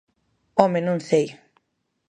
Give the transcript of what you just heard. ¡Home, non sei!